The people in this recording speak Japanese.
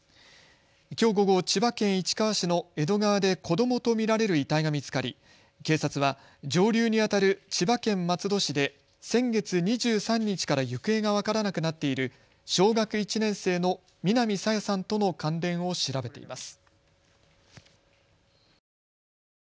きょう午後、千葉県市川市の江戸川で子どもと見られる遺体が見つかり警察は上流にあたる千葉県松戸市で先月２３日から行方が分からなくなっている小学１年生の南朝芽さんとの関連を調べています。